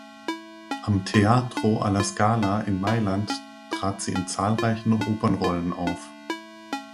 Am Teatro alla Scala in Mailand trat sie in zahlreichen Opernrollen auf.